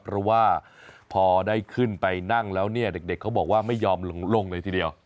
เพราะว่าพอได้ขึ้นไปนั่งแล้วเนี่ยเด็กเขาบอกว่าไม่ยอมลงเลยทีเดียว